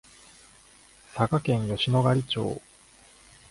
佐賀県吉野ヶ里町